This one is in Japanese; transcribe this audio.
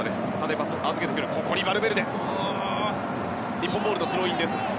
日本ボールのスローインです。